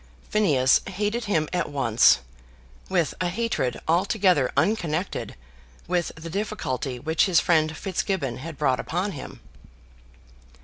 Phineas hated him at once, with a hatred altogether unconnected with the difficulty which his friend Fitzgibbon had brought upon him.